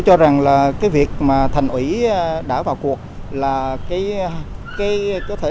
cái việc mà thành ủy đã vào cuộc là cái